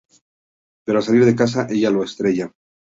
Pero al salir de casa, ella lo estrella.